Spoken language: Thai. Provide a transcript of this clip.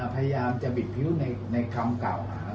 พยายามจะบิดพิ้วในคำกล่าวหา